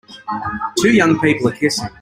Two young people are kissing.